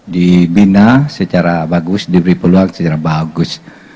dibina secara bagus diberi peluang secara bagus